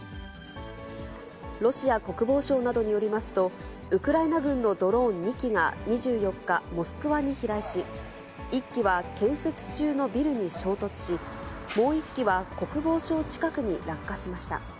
ロシア国防省などによりますと、ウクライナ軍のドローン２機が２４日、モスクワに飛来し、１機は建設中のビルに衝突し、もう１機は国防省近くに落下しました。